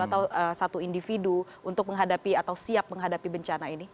atau satu individu untuk menghadapi atau siap menghadapi bencana ini